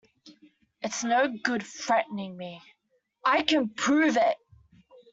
It's no good threatening me. I can prove it!